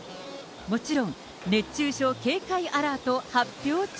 もちろん、熱中症警戒アラート発表中。